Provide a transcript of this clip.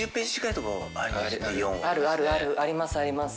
あるあるあるありますあります。